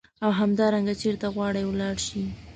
او همدارنګه چیرته غواړې ولاړ شې.